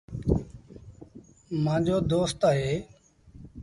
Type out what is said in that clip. مآݩجو دوست اهي۔